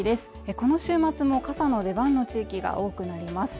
この週末も傘の出番の地域が多くなります